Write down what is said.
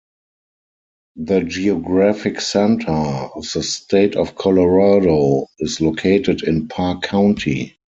The geographic center of the State of Colorado is located in Park County.